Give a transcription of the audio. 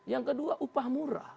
yang kedua upah murah